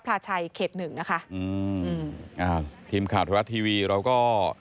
ครับทีมขาวทรัฐทีวีเราก็